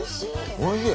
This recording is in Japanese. おいしい。